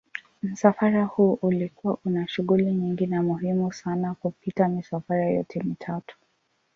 Msafara huu ulikuwa una shughuli nyingi na muhimu sana kupita misafara yote mitatu.